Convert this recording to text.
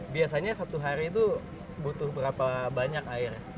biasanya satu hari itu butuh berapa banyak air